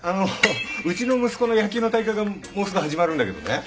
うちの息子の野球の大会がもうすぐ始まるんだけどね。